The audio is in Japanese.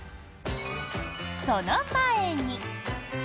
その前に。